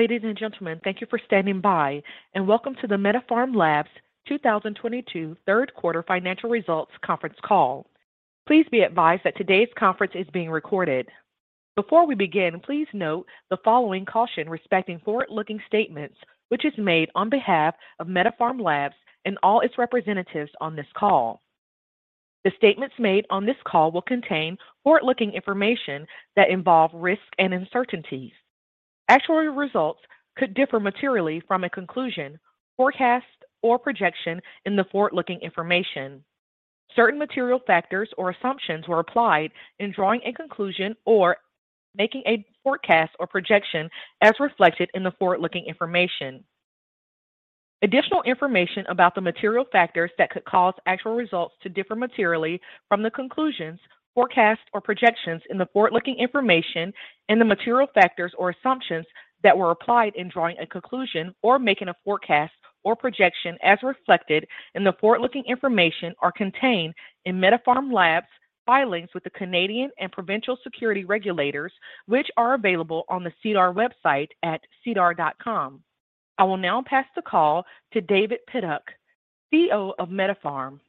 Ladies and gentlemen, thank you for standing by, and welcome to the MediPharm Labs 2022 third quarter financial results conference call. Please be advised that today's conference is being recorded. Before we begin, please note the following caution respecting forward-looking statements, which is made on behalf of MediPharm Labs and all its representatives on this call. The statements made on this call will contain forward-looking information that involve risk and uncertainties. Actual results could differ materially from a conclusion, forecast, or projection in the forward-looking information. Certain material factors or assumptions were applied in drawing a conclusion or making a forecast or projection as reflected in the forward-looking information. Additional information about the material factors that could cause actual results to differ materially from the conclusions, forecasts, or projections in the forward-looking information and the material factors or assumptions that were applied in drawing a conclusion or making a forecast or projection as reflected in the forward-looking information are contained in MediPharm Labs filings with the Canadian and provincial security regulators, which are available on the SEDAR website at sedar.com. I will now pass the call to David Pidduck, CEO of MediPharm Labs.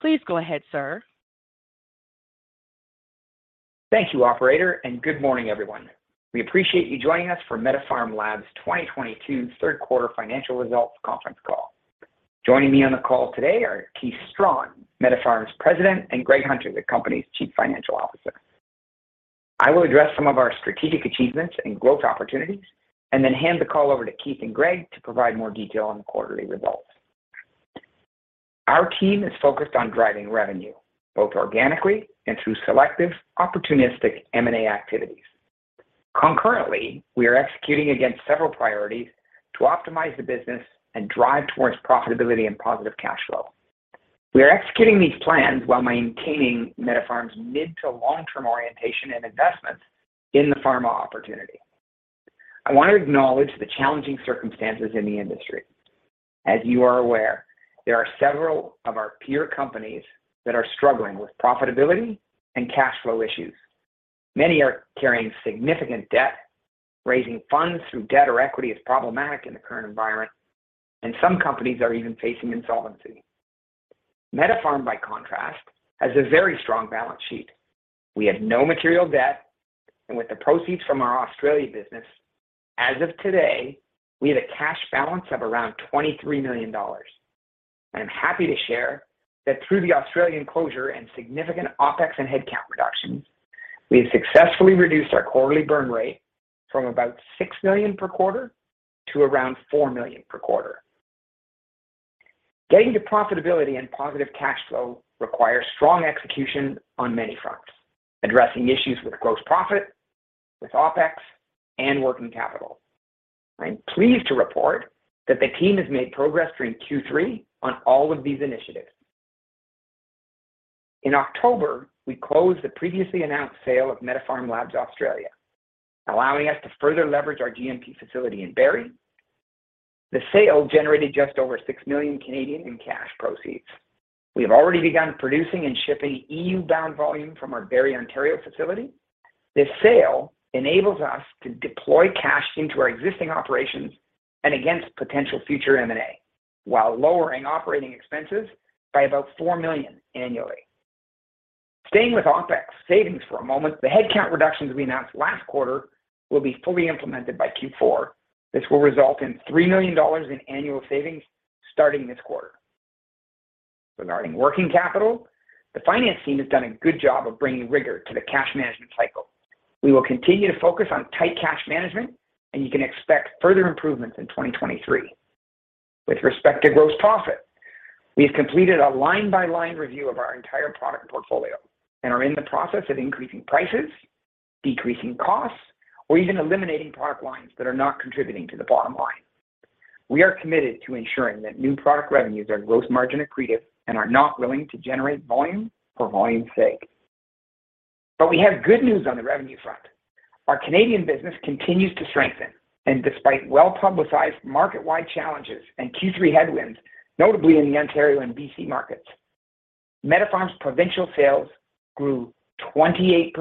Please go ahead, sir. Thank you, operator, and good morning, everyone. We appreciate you joining us for MediPharm Labs' 2022 third quarter financial results conference call. Joining me on the call today are Keith Strachan, MediPharm's President, and Greg Hunter, the company's Chief Financial Officer. I will address some of our strategic achievements and growth opportunities and then hand the call over to Keith and Greg to provide more detail on the quarterly results. Our team is focused on driving revenue, both organically and through selective, opportunistic M&A activities. Concurrently, we are executing against several priorities to optimize the business and drive towards profitability and positive cash flow. We are executing these plans while maintaining MediPharm's mid to long-term orientation and investments in the pharma opportunity. I want to acknowledge the challenging circumstances in the industry. As you are aware, there are several of our peer companies that are struggling with profitability and cash flow issues. Many are carrying significant debt. Raising funds through debt or equity is problematic in the current environment, and some companies are even facing insolvency. MediPharm, by contrast, has a very strong balance sheet. We have no material debt, and with the proceeds from our Australian business, as of today, we have a cash balance of around 23 million dollars. I am happy to share that through the Australian closure and significant OpEx and headcount reductions, we have successfully reduced our quarterly burn rate from about 6 million per quarter to around 4 million per quarter. Getting to profitability and positive cash flow requires strong execution on many fronts, addressing issues with gross profit, with OpEx, and working capital. I'm pleased to report that the team has made progress during Q3 on all of these initiatives. In October, we closed the previously announced sale of MediPharm Labs Australia, allowing us to further leverage our GMP facility in Barrie. The sale generated just over 6 million in cash proceeds. We have already begun producing and shipping E.U.-bound volume from our Barrie, Ontario facility. This sale enables us to deploy cash into our existing operations and against potential future M&A while lowering operating expenses by about 4 million annually. Staying with OpEx savings for a moment, the headcount reductions we announced last quarter will be fully implemented by Q4. This will result in 3 million dollars in annual savings starting this quarter. Regarding working capital, the finance team has done a good job of bringing rigor to the cash management cycle. We will continue to focus on tight cash management, and you can expect further improvements in 2023. With respect to gross profit, we have completed a line-by-line review of our entire product portfolio and are in the process of increasing prices, decreasing costs, or even eliminating product lines that are not contributing to the bottom line. We are committed to ensuring that new product revenues are gross margin accretive and are not willing to generate volume for volume's sake. We have good news on the revenue front. Our Canadian business continues to strengthen. Despite well-publicized market-wide challenges and Q3 headwinds, notably in the Ontario and B.C. markets, MediPharm's provincial sales grew 28%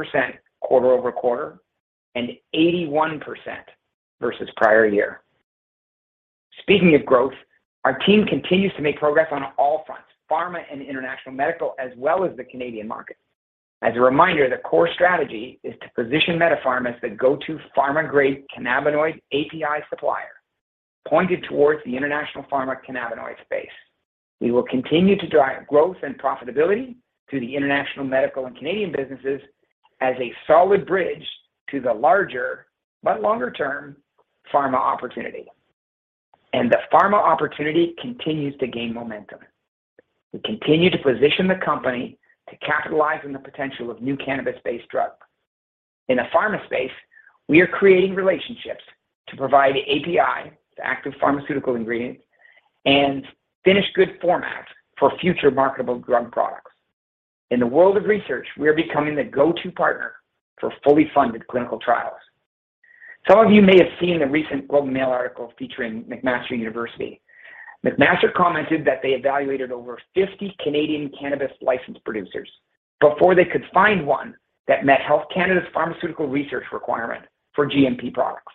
quarter-over-quarter and 81% versus prior year. Speaking of growth, our team continues to make progress on all fronts, pharma and international medical, as well as the Canadian market. As a reminder, the core strategy is to position MediPharm as the go-to pharma-grade cannabinoid API supplier, pointed towards the international pharma cannabinoid space. We will continue to drive growth and profitability to the international medical and Canadian businesses as a solid bridge to the larger but longer-term pharma opportunity, and the pharma opportunity continues to gain momentum. We continue to position the company to capitalize on the potential of new cannabis-based drugs. In the pharma space, we are creating relationships to provide API, the active pharmaceutical ingredient, and finished good formats for future marketable drug products. In the world of research, we are becoming the go-to partner for fully funded clinical trials. Some of you may have seen the recent The Globe and Mail article featuring McMaster University. McMaster commented that they evaluated over 50 Canadian cannabis licensed producers before they could find one that met Health Canada's pharmaceutical research requirement for GMP products.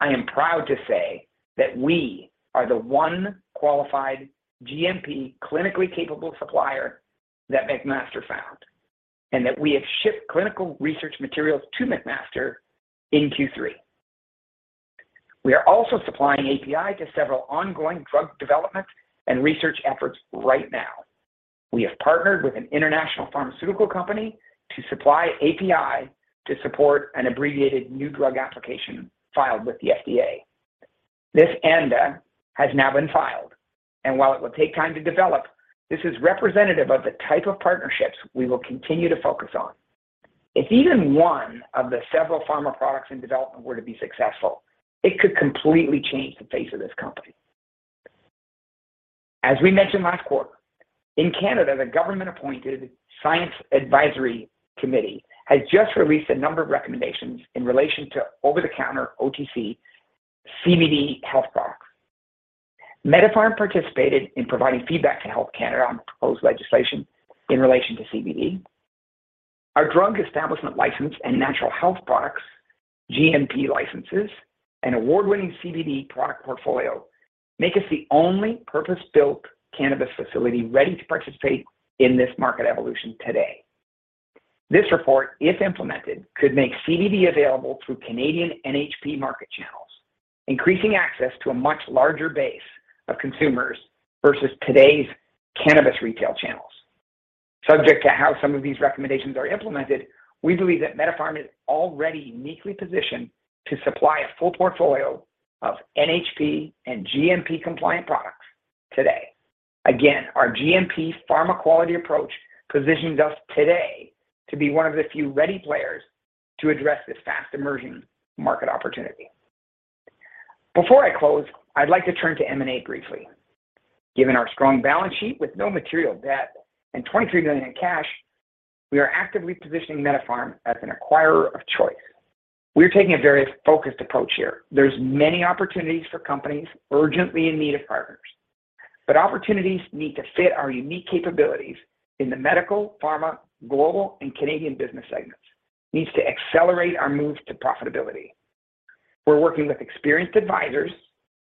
I am proud to say that we are the one qualified GMP clinically capable supplier that McMaster found, and that we have shipped clinical research materials to McMaster in Q3. We are also supplying API to several ongoing drug development and research efforts right now. We have partnered with an international pharmaceutical company to supply API to support an abbreviated new drug application filed with the FDA. This ANDA has now been filed, and while it will take time to develop, this is representative of the type of partnerships we will continue to focus on. If even one of the several pharma products in development were to be successful, it could completely change the face of this company. As we mentioned last quarter, in Canada, the government-appointed Science Advisory Committee has just released a number of recommendations in relation to over-the-counter, OTC, CBD health products. MediPharm participated in providing feedback to Health Canada on the proposed legislation in relation to CBD. Our drug establishment license and natural health products, GMP licenses, and award-winning CBD product portfolio make us the only purpose-built cannabis facility ready to participate in this market evolution today. This report, if implemented, could make CBD available through Canadian NHP market channels, increasing access to a much larger base of consumers versus today's cannabis retail channels. Subject to how some of these recommendations are implemented, we believe that MediPharm is already uniquely positioned to supply a full portfolio of NHP and GMP-compliant products today. Again, our GMP pharma-quality approach positions us today to be one of the few ready players to address this fast-emerging market opportunity. Before I close, I'd like to turn to M&A briefly. Given our strong balance sheet with no material debt and 23 million in cash, we are actively positioning MediPharm as an acquirer of choice. We're taking a very focused approach here. There are many opportunities for companies urgently in need of partners. Opportunities need to fit our unique capabilities in the medical, pharma, global, and Canadian business segments. Needs to accelerate our move to profitability. We're working with experienced advisors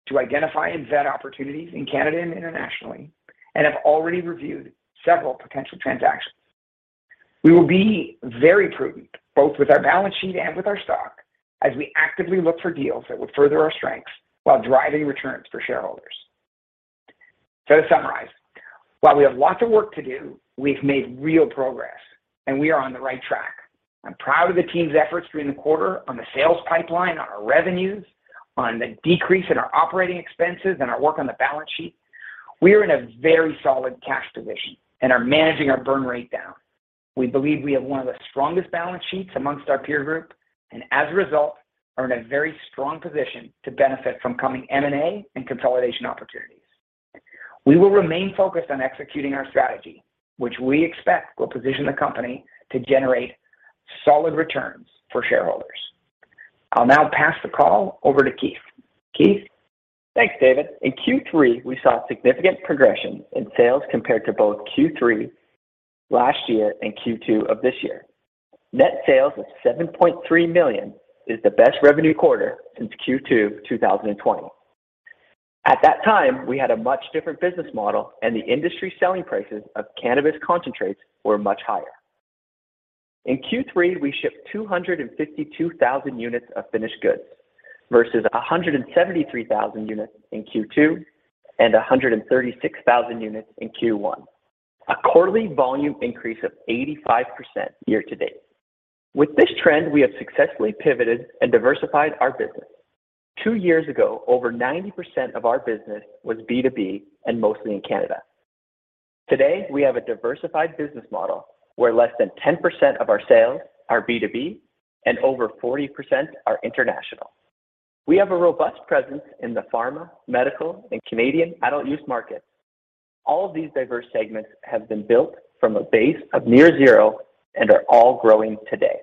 to identify and vet opportunities in Canada and internationally, and have already reviewed several potential transactions. We will be very prudent, both with our balance sheet and with our stock, as we actively look for deals that would further our strengths while driving returns for shareholders. To summarize, while we have lots of work to do, we've made real progress, and we are on the right track. I'm proud of the team's efforts during the quarter on the sales pipeline, on our revenues, on the decrease in our operating expenses and our work on the balance sheet. We are in a very solid cash position and are managing our burn rate down. We believe we have one of the strongest balance sheets among our peer group, and as a result, are in a very strong position to benefit from coming M&A and consolidation opportunities. We will remain focused on executing our strategy, which we expect will position the company to generate solid returns for shareholders. I'll now pass the call over to Keith. Keith? Thanks, David. In Q3, we saw significant progression in sales compared to both Q3 last year and Q2 of this year. Net sales of 7.3 million is the best revenue quarter since Q2 2020. At that time, we had a much different business model, and the industry selling prices of cannabis concentrates were much higher. In Q3, we shipped 252,000 units of finished goods versus 173,000 units in Q2 and 136,000 units in Q1. A quarterly volume increase of 85% year-to-date. With this trend, we have successfully pivoted and diversified our business. Two years ago, over 90% of our business was B2B and mostly in Canada. Today, we have a diversified business model where less than 10% of our sales are B2B and over 40% are international. We have a robust presence in the pharma, medical, and Canadian adult-use markets. All of these diverse segments have been built from a base of near zero and are all growing today.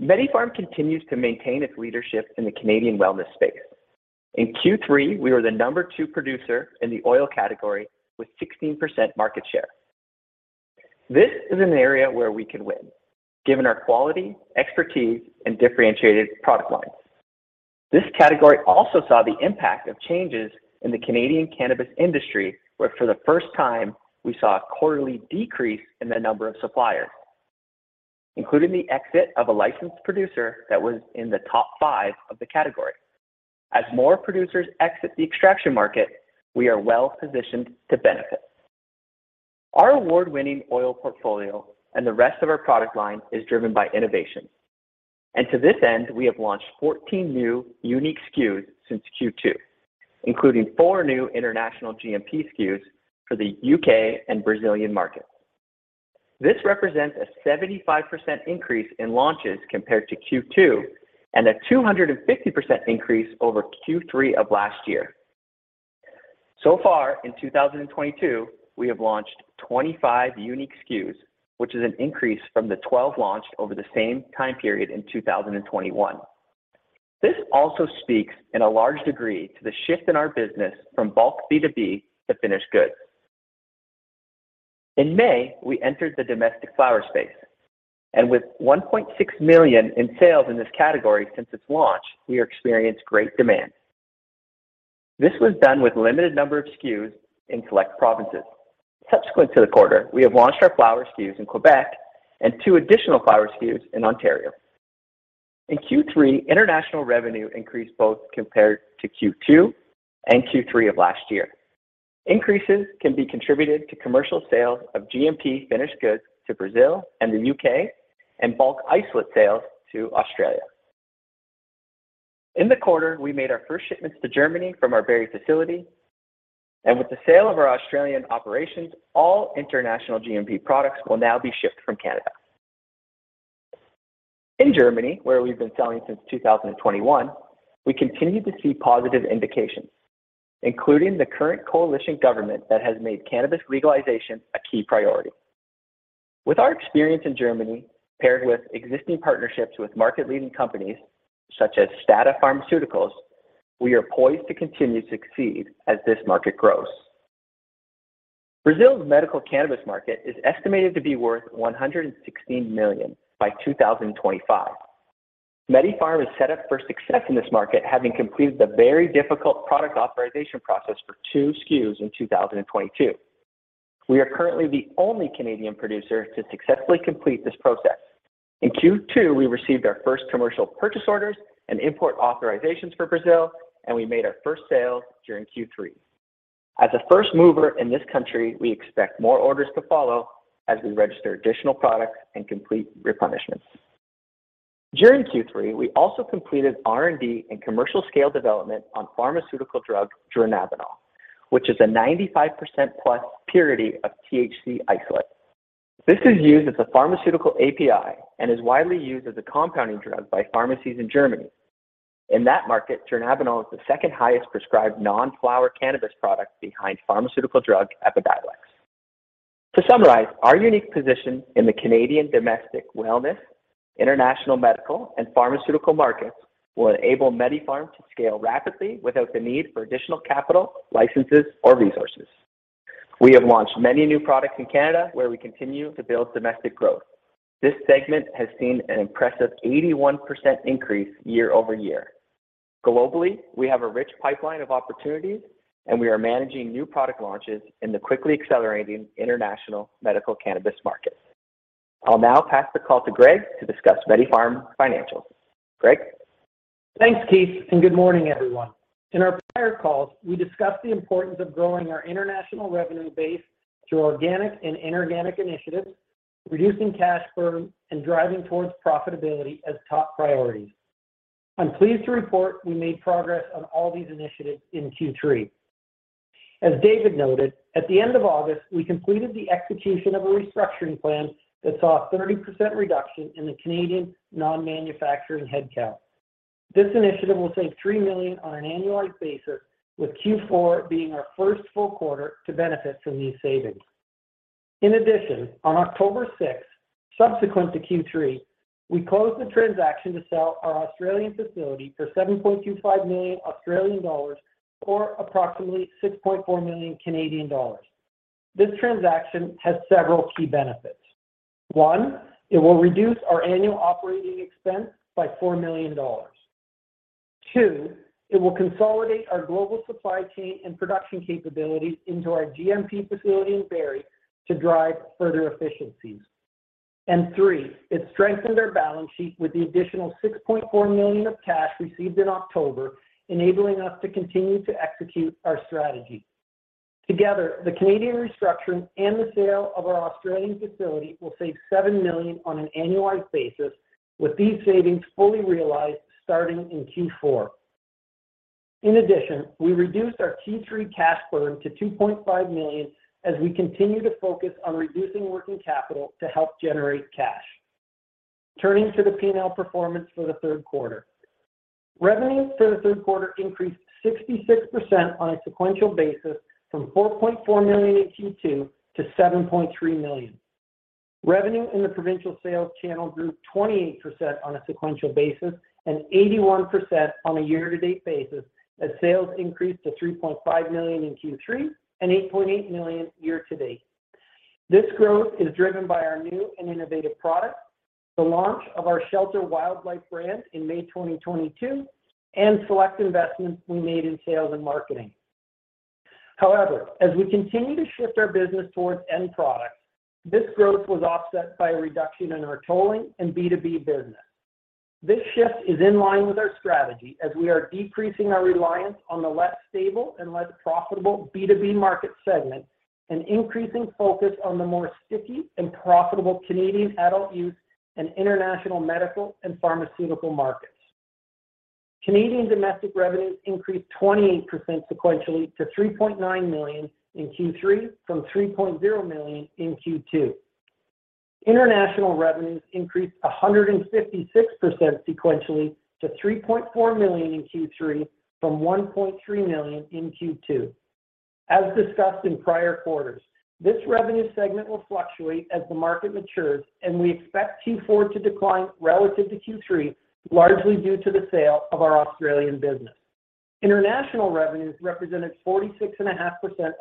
MediPharm continues to maintain its leadership in the Canadian wellness space. In Q3, we were the number two producer in the oil category with 16% market share. This is an area where we can win, given our quality, expertise, and differentiated product lines. This category also saw the impact of changes in the Canadian cannabis industry, where for the first time, we saw a quarterly decrease in the number of suppliers, including the exit of a licensed producer that was in the top five of the category. As more producers exit the extraction market, we are well-positioned to benefit. Our award-winning oil portfolio and the rest of our product line is driven by innovation. To this end, we have launched 14 new unique SKUs since Q2, including four new international GMP SKUs for the U.K. and Brazilian markets. This represents a 75% increase in launches compared to Q2 and a 250% increase over Q3 of last year. So far in 2022, we have launched 25 unique SKUs, which is an increase from the 12 launched over the same time period in 2021. This also speaks in a large degree to the shift in our business from bulk B2B to finished goods. In May, we entered the domestic flower space, and with 1.6 million in sales in this category since its launch, we experienced great demand. This was done with limited number of SKUs in select provinces. Subsequent to the quarter, we have launched our flower SKUs in Québec and two additional flower SKUs in Ontario. In Q3, international revenue increased both compared to Q2 and Q3 of last year. Increases can be contributed to commercial sales of GMP finished goods to Brazil and the U.K. and bulk isolate sales to Australia. In the quarter, we made our first shipments to Germany from our Barrie facility, and with the sale of our Australian operations, all international GMP products will now be shipped from Canada. In Germany, where we've been selling since 2021, we continue to see positive indications, including the current coalition government that has made cannabis legalization a key priority. With our experience in Germany, paired with existing partnerships with market-leading companies such as STADA Pharmaceuticals, we are poised to continue to succeed as this market grows. Brazil's medical cannabis market is estimated to be worth 116 million by 2025. MediPharm is set up for success in this market, having completed the very difficult product authorization process for two SKUs in 2022. We are currently the only Canadian producer to successfully complete this process. In Q2, we received our first commercial purchase orders and import authorizations for Brazil, and we made our first sale during Q3. As a first mover in this country, we expect more orders to follow as we register additional products and complete replenishments. During Q3, we also completed R&D and commercial scale development on pharmaceutical drug dronabinol, which is a 95%+ purity of THC isolate. This is used as a pharmaceutical API and is widely used as a compounding drug by pharmacies in Germany. In that market, dronabinol is the second highest prescribed non-flower cannabis product behind pharmaceutical drug EPIDIOLEX. To summarize, our unique position in the Canadian domestic wellness, international medical, and pharmaceutical markets will enable MediPharm to scale rapidly without the need for additional capital, licenses, or resources. We have launched many new products in Canada where we continue to build domestic growth. This segment has seen an impressive 81% increase year-over-year. Globally, we have a rich pipeline of opportunities, and we are managing new product launches in the quickly accelerating international medical cannabis market. I'll now pass the call to Greg to discuss MediPharm financials. Greg? Thanks, Keith, and good morning, everyone. In our prior calls, we discussed the importance of growing our international revenue base through organic and inorganic initiatives, reducing cash burn, and driving towards profitability as top priorities. I'm pleased to report we made progress on all these initiatives in Q3. As David noted, at the end of August, we completed the execution of a restructuring plan that saw a 30% reduction in the Canadian non-manufacturing headcount. This initiative will save 3 million on an annualized basis, with Q4 being our first full quarter to benefit from these savings. In addition, on October sixth, subsequent to Q3, we closed the transaction to sell our Australian facility for 7.25 million Australian dollars or approximately 6.4 million Canadian dollars. This transaction has several key benefits. One, it will reduce our annual operating expense by 4 million dollars. Two, it will consolidate our global supply chain and production capabilities into our GMP facility in Barrie to drive further efficiencies. Three, it strengthened our balance sheet with the additional 6.4 million of cash received in October, enabling us to continue to execute our strategy. Together, the Canadian restructuring and the sale of our Australian facility will save 7 million on an annualized basis, with these savings fully realized starting in Q4. In addition, we reduced our Q3 cash burn to 2.5 million as we continue to focus on reducing working capital to help generate cash. Turning to the P&L performance for the third quarter. Revenue for the third quarter increased 66% on a sequential basis from 4.4 million in Q2 to 7.3 million. Revenue in the provincial sales channel grew 28% on a sequential basis and 81% on a year-to-date basis as sales increased to 3.5 million in Q3 and 8.8 million year-to-date. This growth is driven by our new and innovative products, the launch of our Wildlife Cannabis brand in May 2022, and select investments we made in sales and marketing. However, as we continue to shift our business towards end product, this growth was offset by a reduction in our tolling and B2B business. This shift is in line with our strategy as we are decreasing our reliance on the less stable and less profitable B2B market segment and increasing focus on the more sticky and profitable Canadian adult-use and international medical and pharmaceutical markets. Canadian domestic revenues increased 28% sequentially to 3.9 million in Q3 from 3.0 million in Q2. International revenues increased 156% sequentially to 3.4 million in Q3 from 1.3 million in Q2. As discussed in prior quarters, this revenue segment will fluctuate as the market matures, and we expect Q4 to decline relative to Q3, largely due to the sale of our Australian business. International revenues represented 46.5%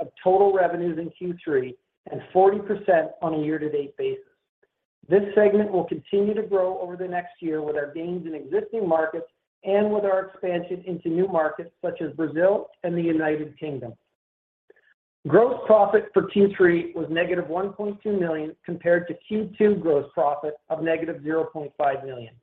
of total revenues in Q3 and 40% on a year-to-date basis. This segment will continue to grow over the next year with our gains in existing markets and with our expansion into new markets such as Brazil and the United Kingdom. Gross profit for Q3 was -1.2 million, compared to Q2 gross profit of -0.5 million.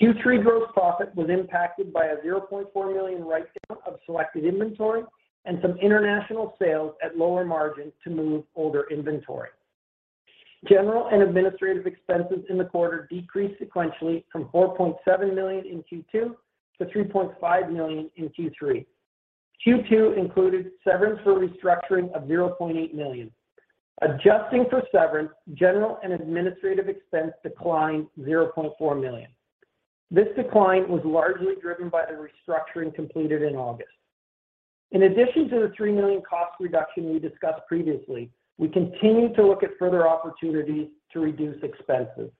Q3 gross profit was impacted by a 0.4 million write-down of selected inventory and some international sales at lower margins to move older inventory. General and administrative expenses in the quarter decreased sequentially from 4.7 million in Q2 to 3.5 million in Q3. Q2 included severance for restructuring of 0.8 million. Adjusting for severance, general and administrative expense declined 0.4 million. This decline was largely driven by the restructuring completed in August. In addition to the 3 million cost reduction we discussed previously, we continue to look at further opportunities to reduce expenses.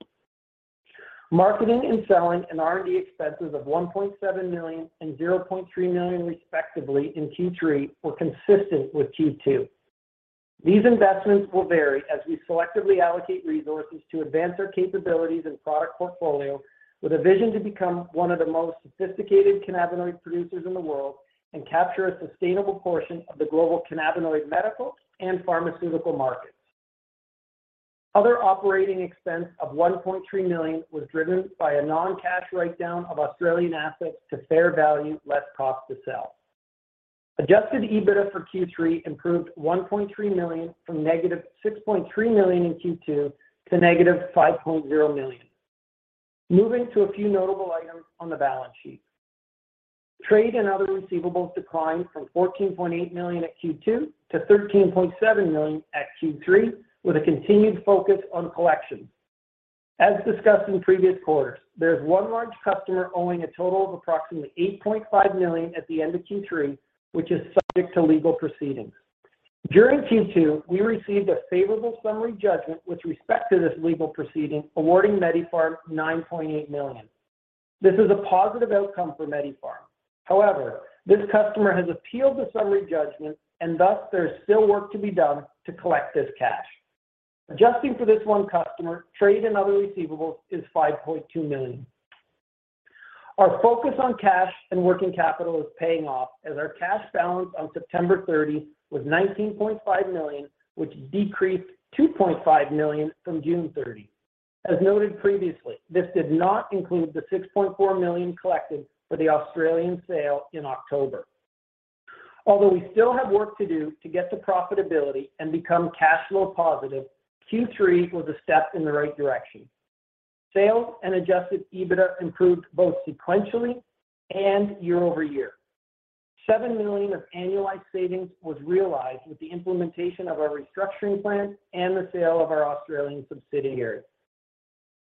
Marketing and selling and R&D expenses of 1.7 million and 0.3 million respectively in Q3 were consistent with Q2. These investments will vary as we selectively allocate resources to advance our capabilities and product portfolio with a vision to become one of the most sophisticated cannabinoid producers in the world and capture a sustainable portion of the global cannabinoid medical and pharmaceutical markets. Other operating expense of 1.3 million was driven by a non-cash write-down of Australian assets to fair value less cost to sell. Adjusted EBITDA for Q3 improved 1.3 million from -6.3 million in Q2 to -5.0 million. Moving to a few notable items on the balance sheet. Trade and other receivables declined from 14.8 million at Q2 to 13.7 million at Q3, with a continued focus on collections. As discussed in previous quarters, there is one large customer owing a total of approximately 8.5 million at the end of Q3, which is subject to legal proceedings. During Q2, we received a favorable summary judgment with respect to this legal proceeding, awarding MediPharm 9.8 million. This is a positive outcome for MediPharm. However, this customer has appealed the summary judgment and thus there is still work to be done to collect this cash. Adjusting for this one customer, trade and other receivables is 5.2 million. Our focus on cash and working capital is paying off as our cash balance on September 30 was 19.5 million, which decreased 2.5 million from June 30. As noted previously, this did not include the 6.4 million collected for the Australian sale in October. Although we still have work to do to get to profitability and become cash flow positive, Q3 was a step in the right direction. Sales and adjusted EBITDA improved both sequentially and year-over-year. 7 million of annualized savings was realized with the implementation of our restructuring plan and the sale of our Australian subsidiary.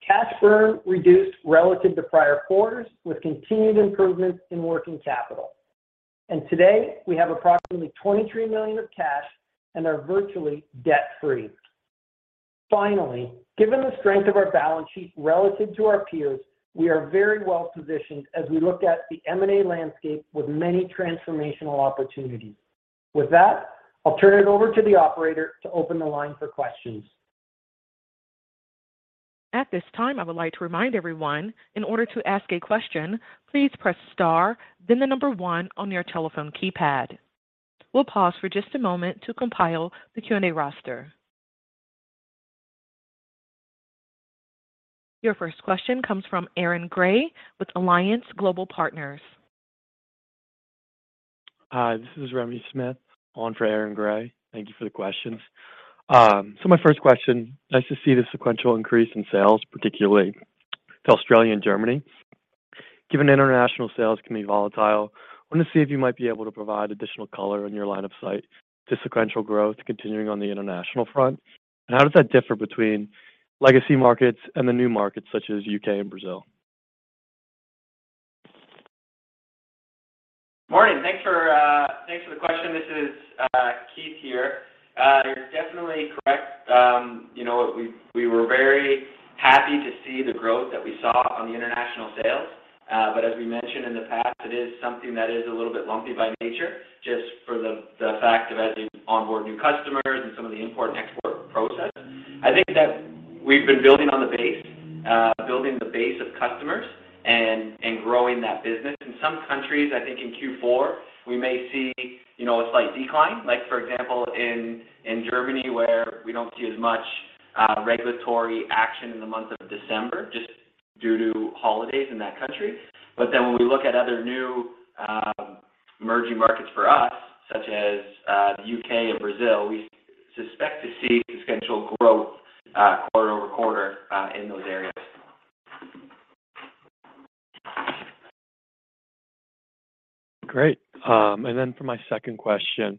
Cash burn reduced relative to prior quarters with continued improvements in working capital. Today, we have approximately 23 million of cash and are virtually debt-free. Finally, given the strength of our balance sheet relative to our peers, we are very well positioned as we look at the M&A landscape with many transformational opportunities. With that, I'll turn it over to the operator to open the line for questions. At this time, I would like to remind everyone, in order to ask a question, please press star, then the number one on your telephone keypad. We'll pause for just a moment to compile the Q&A roster. Your first question comes from Aaron Grey with Alliance Global Partners. Hi, this is Remy Smith on for Aaron Grey. Thank you for the questions. My first question, nice to see the sequential increase in sales, particularly to Australia and Germany. Given international sales can be volatile, I wanted to see if you might be able to provide additional color in your line of sight to sequential growth continuing on the international front. How does that differ between legacy markets and the new markets such as U.K. and Brazil? Morning. Thanks for the question. This is Keith here. You're definitely correct. You know, we were very happy to see the growth that we saw on the international sales. As we mentioned in the past, it is something that is a little bit lumpy by nature just for the fact of as you onboard new customers and some of the import and export process. I think that we've been building the base of customers and growing that business. In some countries, I think in Q4, we may see, you know, a slight decline. Like for example, in Germany, where we don't see as much regulatory action in the month of December just due to holidays in that country. When we look at other new emerging markets for us, such as the U.K. and Brazil, we suspect to see sequential growth quarter-over-quarter in those areas. Great. For my second question,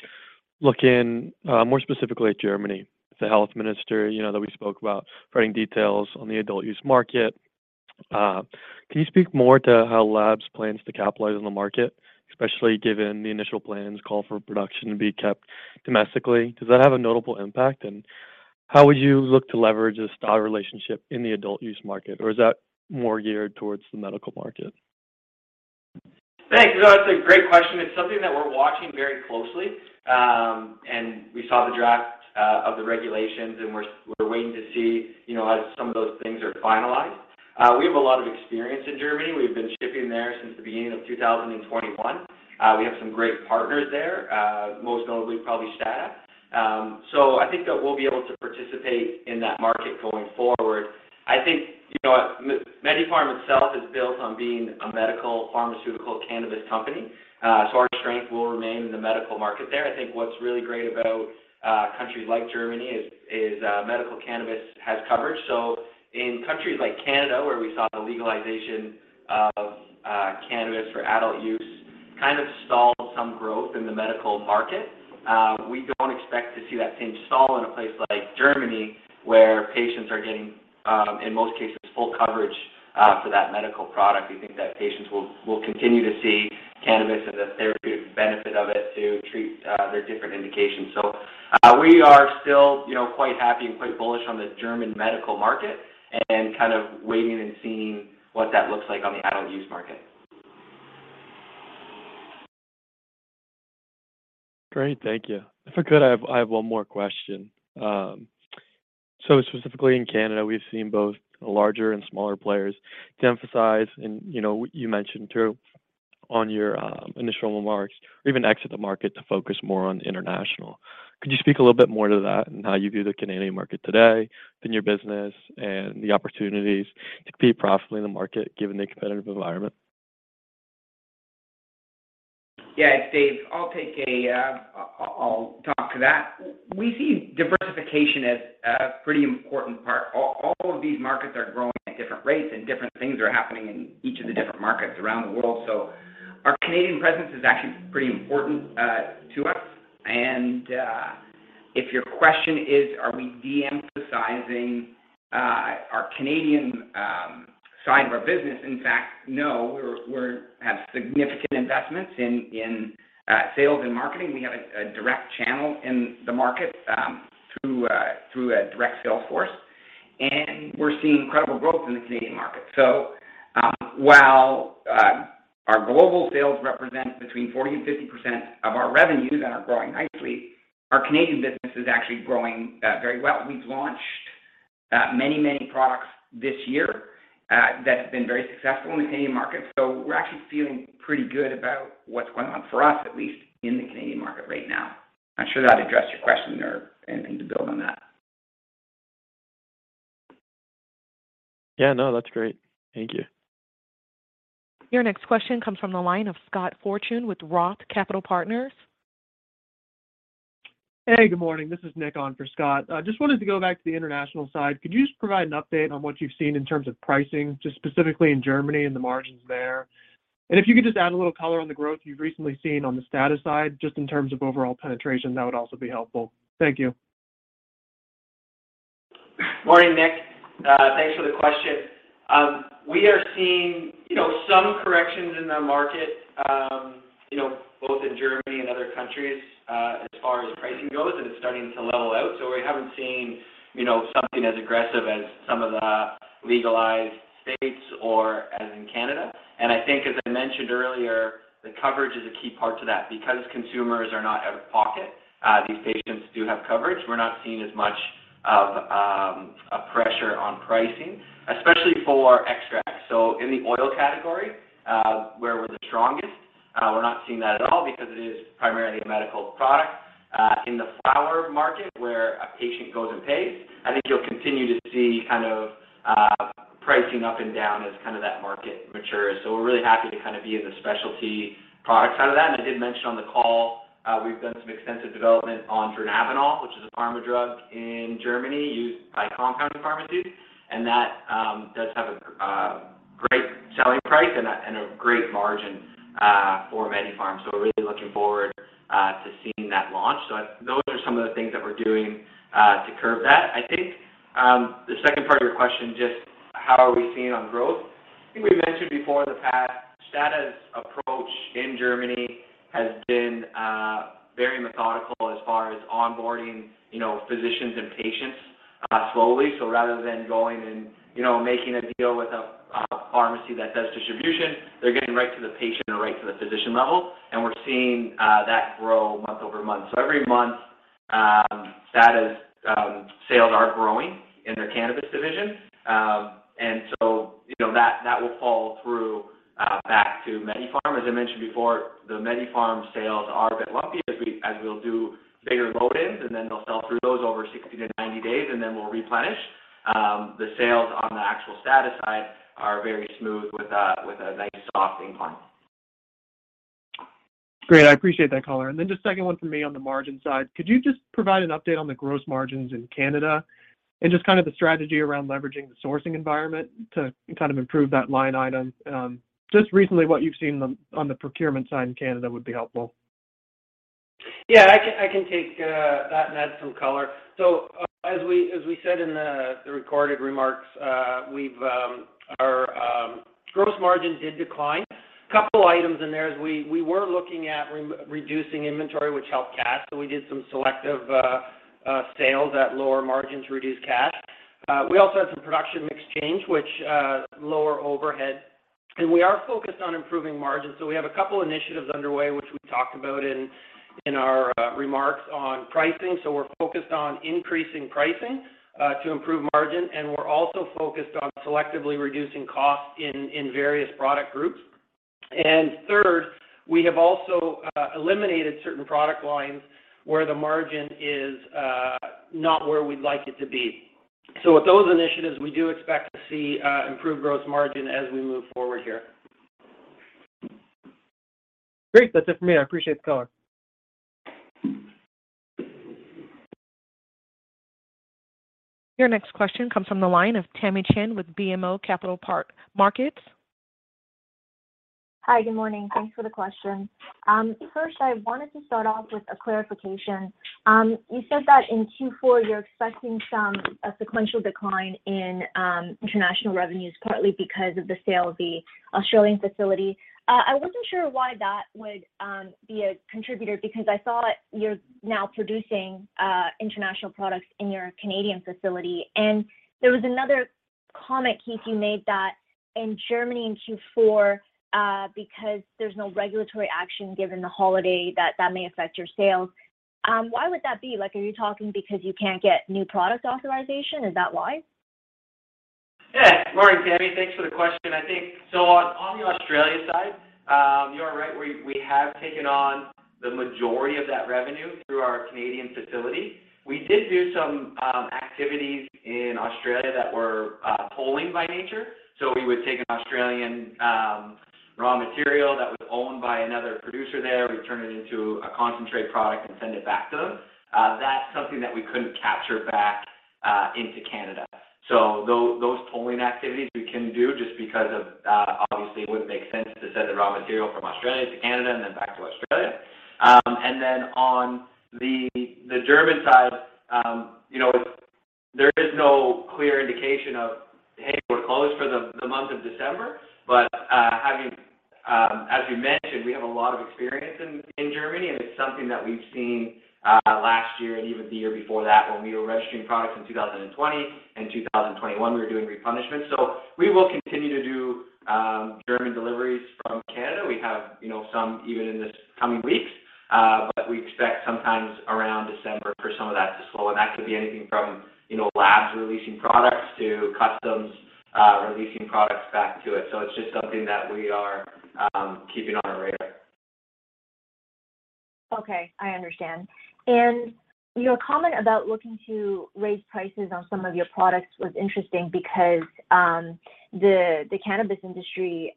looking more specifically at Germany, the health minister, you know, that we spoke about providing details on the adult use market. Can you speak more to how Labs plans to capitalize on the market, especially given the initial plans call for production to be kept domestically? Does that have a notable impact? And how would you look to leverage this STADA relationship in the adult use market, or is that more geared towards the medical market? Thanks. No, that's a great question. It's something that we're watching very closely. We saw the draft of the regulations, and we're waiting to see, you know, as some of those things are finalized. We have a lot of experience in Germany. We've been shipping there since the beginning of 2021. We have some great partners there, most notably probably STADA. I think that we'll be able to participate in that market going forward. I think, you know, MediPharm itself is built on being a medical pharmaceutical cannabis company. Our strength will remain in the medical market there. I think what's really great about countries like Germany is medical cannabis has coverage. In countries like Canada, where we saw the legalization of cannabis for adult use kind of stalled some growth in the medical market, we don't expect to see that same stall in a place like Germany, where patients are getting, in most cases, full coverage, for that medical product. We think that patients will continue to see cannabis and the therapeutic benefit of it to treat their different indications. We are still, you know, quite happy and quite bullish on the German medical market and kind of waiting and seeing what that looks like on the adult use market. Great. Thank you. If I could, I have one more question. So specifically in Canada, we've seen both larger and smaller players de-emphasize and, you know, you mentioned too on your initial remarks or even exit the market to focus more on international. Could you speak a little bit more to that and how you view the Canadian market today in your business and the opportunities to compete profitably in the market given the competitive environment? Yeah. It's Dave, I'll talk to that. We see diversification as a pretty important part. All of these markets are growing at different rates, and different things are happening in each of the different markets around the world. Our Canadian presence is actually pretty important to us. If your question is, are we de-emphasizing our Canadian side of our business, in fact, no. We have significant investments in sales and marketing. We have a direct channel in the market through a direct sales force, and we're seeing incredible growth in the Canadian market. While our global sales represent between 40% and 50% of our revenues and are growing nicely, our Canadian business is actually growing very well. We've launched many, many products this year that have been very successful in the Canadian market. We're actually feeling pretty good about what's going on for us, at least in the Canadian market right now. Not sure that addressed your question or anything to build on that. Yeah. No, that's great. Thank you. Your next question comes from the line of Scott Fortune with ROTH Capital Partners. Hey, good morning. This is Nick on for Scott. I just wanted to go back to the international side. Could you just provide an update on what you've seen in terms of pricing, just specifically in Germany and the margins there? And if you could just add a little color on the growth you've recently seen on the STADA side, just in terms of overall penetration, that would also be helpful. Thank you. Morning, Nick. Thanks for the question. We are seeing, you know, some corrections in the market, you know, both in Germany and other countries, as far as pricing goes, and it's starting to level out. We haven't seen, you know, something as aggressive as some of the legalized states or as in Canada. I think as I mentioned earlier, the coverage is a key part to that. Because consumers are not out-of-pocket, these patients do have coverage. We're not seeing as much of, a pressure on pricing, especially for extracts. In the oil category, where we're the strongest, we're not seeing that at all because it is primarily a medical product. In the flower market where a patient goes and pays, I think you'll continue to see kind of pricing up and down as kind of that market matures. We're really happy to kind of be in the specialty product side of that. I did mention on the call, we've done some extensive development on Dronabinol, which is a pharma drug in Germany used by compound pharmacies, and that does have a great selling price and a great margin for MediPharm. We're really looking forward to seeing that launch. Those are some of the things that we're doing to curb that. I think the second part of your question, just how are we seeing on growth. I think we've mentioned before in the past, STADA's approach in Germany has been very methodical as far as onboarding, you know, physicians and patients slowly. Rather than going and, you know, making a deal with a pharmacy that does distribution, they're getting right to the patient and right to the physician level. We're seeing that grow month-over-month. Every month, STADA's sales are growing in their cannabis division. You know, that will flow through back to MediPharm. As I mentioned before, the MediPharm sales are a bit lumpy as we'll do bigger load-ins, and then they'll sell through those over 60 to 90 days, and then we'll replenish. The sales on the actual STADA side are very smooth with a nice soft incline. Great. I appreciate that color. Just second one for me on the margin side. Could you just provide an update on the gross margins in Canada and just kind of the strategy around leveraging the sourcing environment to kind of improve that line item? Just recently what you've seen on the procurement side in Canada would be helpful. Yeah, I can take that and add some color. As we said in the recorded remarks, our gross margin did decline. Couple items in there, we were looking at reducing inventory, which helped cash. We did some selective sales at lower margins to reduce cash. We also had some production mix change, which lowered overhead. We are focused on improving margins. We have a couple initiatives underway, which we talked about in our remarks on pricing. We're focused on increasing pricing to improve margin, and we're also focused on selectively reducing costs in various product groups. Third, we have also eliminated certain product lines where the margin is not where we'd like it to be. With those initiatives, we do expect to see improved gross margin as we move forward here. Great. That's it for me. I appreciate the color. Your next question comes from the line of Tamy Chen with BMO Capital Markets. Hi. Good morning. Thanks for the questions. First I wanted to start off with a clarification. You said that in Q4, you're expecting a sequential decline in international revenues, partly because of the sale of the Australian facility. I wasn't sure why that would be a contributor because I saw you're now producing international products in your Canadian facility. There was another comment, Keith, you made that in Germany in Q4, because there's no regulatory action given the holiday that may affect your sales. Why would that be? Like, are you talking because you can't get new product authorization? Is that why? Morning, Tamy Chen. Thanks for the question. On the Australia side, you are right. We have taken on the majority of that revenue through our Canadian facility. We did do some activities in Australia that were tolling by nature. We would take an Australian raw material that was owned by another producer there. We turn it into a concentrate product and send it back to them. That's something that we couldn't capture back into Canada. Those tolling activities we can do just because of obviously it wouldn't make sense to send the raw material from Australia to Canada and then back to Australia. On the German side, you know, there is no clear indication of, "Hey, we're closed for the month of December." Having, as we mentioned, we have a lot of experience in Germany, and it's something that we've seen last year and even the year before that when we were registering products in 2020. In 2021, we were doing replenishment. We will continue to do German deliveries from Canada. We have, you know, some even in these coming weeks, but we expect sometimes around December for some of that to slow. That could be anything from, you know, labs releasing products to customs releasing products back to us. It's just something that we are keeping on our radar. Okay. I understand. Your comment about looking to raise prices on some of your products was interesting because the cannabis industry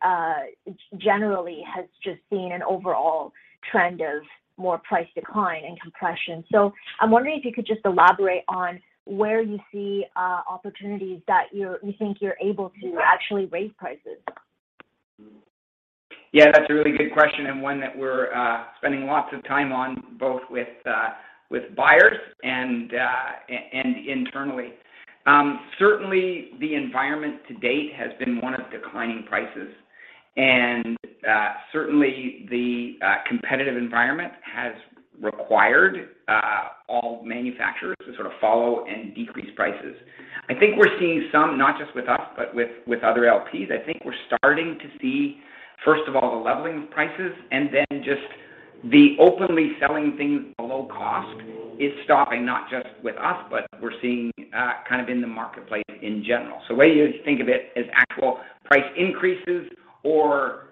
generally has just seen an overall trend of more price decline and compression. I'm wondering if you could just elaborate on where you see opportunities that you think you're able to actually raise prices. Yeah, that's a really good question and one that we're spending lots of time on, both with buyers and internally. Certainly the environment to date has been one of declining prices. Certainly the competitive environment has required all manufacturers to sort of follow and decrease prices. I think we're seeing some, not just with us, but with other LPs. I think we're starting to see, first of all, the leveling of prices and then just the openly selling things below cost is stopping, not just with us, but we're seeing kind of in the marketplace in general. Whether you think of it as actual price increases or,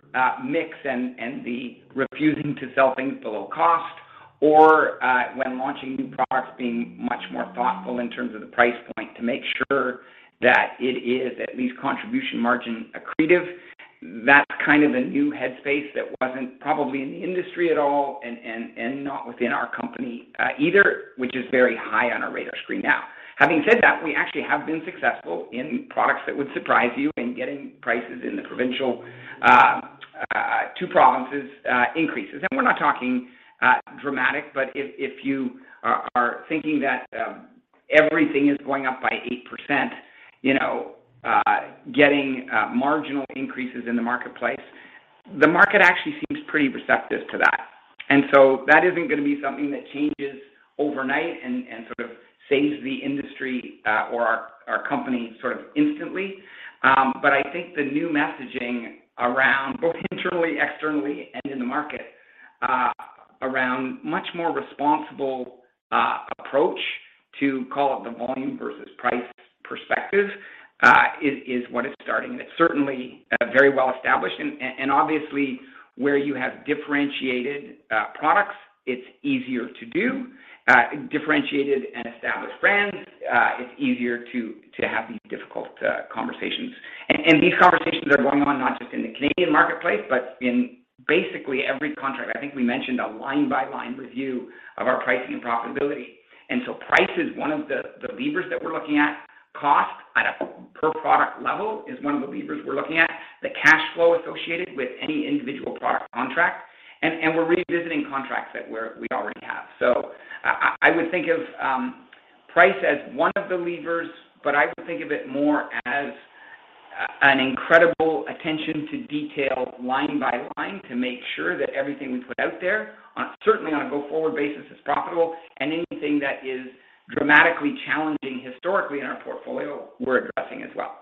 mix and the refusing to sell things below cost or, when launching new products, being much more thoughtful in terms of the price point to make sure that it is at least contribution margin accretive, that's kind of a new headspace that wasn't probably in the industry at all and not within our company either, which is very high on our radar screen now. Having said that, we actually have been successful in products that would surprise you in getting prices in the provincial two provinces increases. We're not talking dramatic, but if you are thinking that everything is going up by 8%, you know, getting marginal increases in the marketplace, the market actually seems pretty receptive to that. That isn't gonna be something that changes overnight and sort of saves the industry, or our company sort of instantly. I think the new messaging around both internally, externally, and in the market, around much more responsible approach to, call it the volume versus price perspective, is what is starting. It's certainly very well established. Obviously, where you have differentiated products, it's easier to do. Differentiated and established brands, it's easier to have these difficult conversations. These conversations are going on not just in the Canadian marketplace, but in basically every contract. I think we mentioned a line-by-line review of our pricing and profitability. Price is one of the levers that we're looking at. Cost at a per product level is one of the levers we're looking at, the cash flow associated with any individual product contract, and we're revisiting contracts that we already have. I would think of price as one of the levers, but I would think of it more as an incredible attention to detail line by line to make sure that everything we put out there, certainly on a go-forward basis is profitable and anything that is dramatically challenging historically in our portfolio we're addressing as well.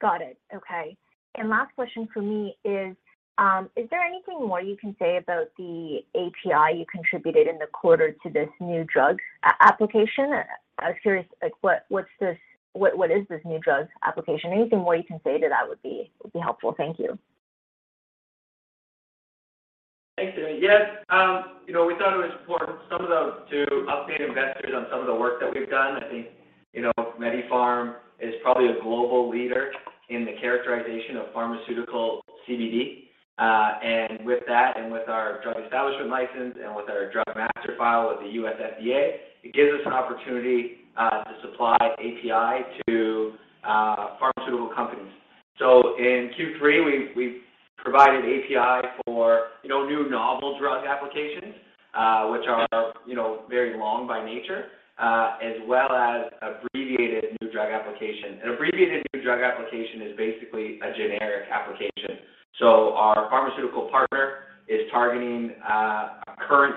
Got it. Okay. Last question from me is there anything more you can say about the API you contributed in the quarter to this new drug application? I was curious, like, what is this new drug application? Anything more you can say to that would be helpful. Thank you. Thanks, Tammy. Yes, you know, we thought it was important to update investors on some of the work that we've done. I think, you know, MediPharm is probably a global leader in the characterization of pharmaceutical CBD. With that, with our drug establishment license, and with our drug master file with the U.S. FDA, it gives us an opportunity to supply API to pharmaceutical companies. In Q3, we provided API for you know new novel drug applications, which are you know very long by nature, as well as abbreviated new drug application. An abbreviated new drug application is basically a generic application. Our pharmaceutical partner is targeting a current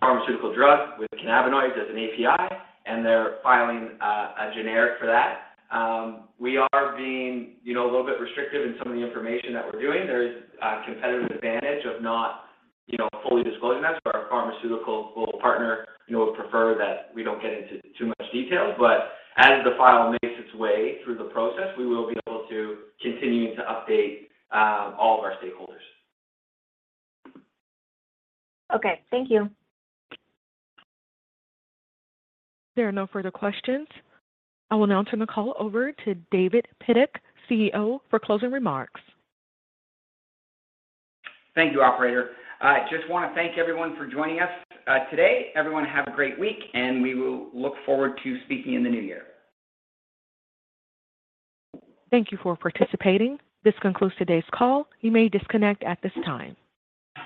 pharmaceutical drug with cannabinoids as an API, and they're filing a generic for that. We are being, you know, a little bit restrictive in some of the information that we're doing. There is a competitive advantage of not, you know, fully disclosing that. Our pharmaceutical partner, you know, would prefer that we don't get into too much detail. As the file makes its way through the process, we will be able to continuing to update all of our stakeholders. Okay. Thank you. There are no further questions. I will now turn the call over to David Pidduck, CEO, for closing remarks. Thank you, operator. I just wanna thank everyone for joining us, today. Everyone have a great week, and we will look forward to speaking in the new year. Thank you for participating. This concludes today's call. You may disconnect at this time.